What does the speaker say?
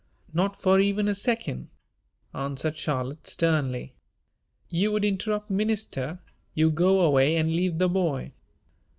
"Not for even a second," answered Charlotte sternly. "You'd interrupt Minister. You go away and leave the boy."